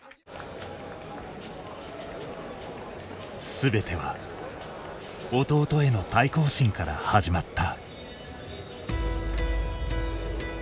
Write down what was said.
全ては弟への対抗心から始まった。